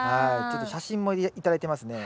ちょっと写真も頂いてますね。